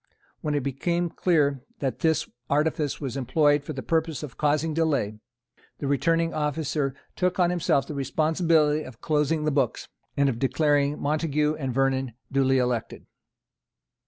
When it became clear that this artifice was employed for the purpose of causing delay, the returning officer took on himself the responsibility of closing the books, and of declaring Montague and Vernon duly elected.